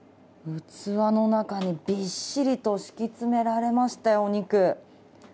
器の中にびっしりと敷き詰められましたよ、お肉。